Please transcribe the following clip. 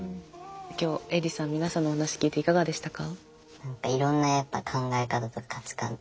今日エイジさん皆さんのお話聞いていかがでしたか？